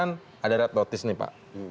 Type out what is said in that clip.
ini kan ada red notice nih pak